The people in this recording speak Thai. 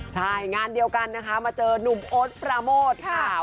ใช่งานเดียวกันนะคะมาเจอนุ่มโอ๊ตปราโมทค่ะ